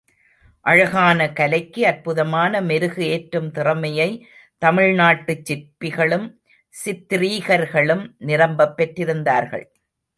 அழகான கலைக்கு அற்புதமான மெருகு ஏற்றும் திறமையை தமிழ்நாட்டுச் சிற்பிகளும், சித்ரீகர்களும் நிரம்பப் பெற்றிருந்தார்கள்.